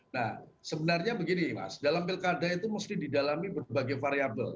nah sebenarnya begini mas dalam pilkada itu mesti didalami berbagai variable